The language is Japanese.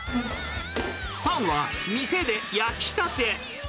パンは店で焼きたて。